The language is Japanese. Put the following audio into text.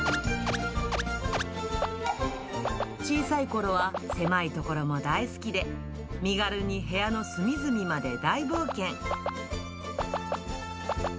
小さいころは、狭い所も大好きで、身軽に部屋の隅々まで大冒険。